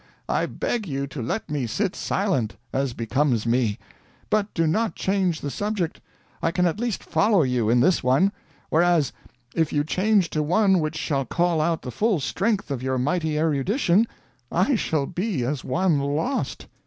I beg you to let me sit silent as becomes me. But do not change the subject; I can at least follow you, in this one; whereas if you change to one which shall call out the full strength of your mighty erudition, I shall be as one lost.